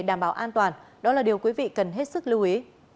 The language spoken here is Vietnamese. đây là điều quý vị cần hết sức lưu ý